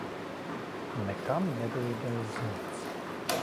Nekam nederīgais znots.